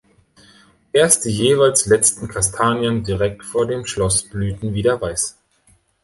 Erst die jeweils letzten Kastanien direkt vor dem Schloss blühten wieder weiß.